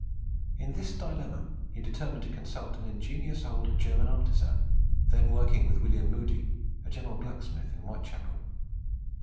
In this dilemma he determined to consult an ingenious old German artisan, then working with William Moodie, a general blacksmith in Whitechapel.